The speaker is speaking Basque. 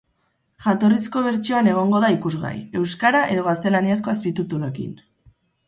Jatorrizko bertsioan egongo da ikusgai, euskara edo gaztelaniazko azpitituluekin.